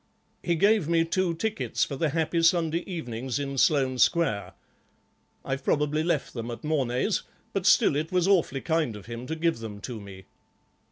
He gave me two tickets for the Happy Sunday Evenings in Sloane Square. I've probably left them at Mornay's, but still it was awfully kind of him to give them to me."